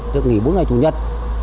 được nghỉ bốn ngày chủ nhật